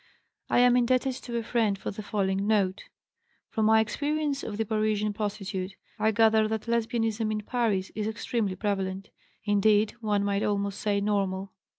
I am indebted to a friend for the following note: "From my experience of the Parisian prostitute, I gather that Lesbianism in Paris is extremely prevalent; indeed, one might almost say normal.